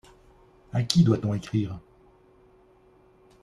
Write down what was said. A qui doit-on écrire ?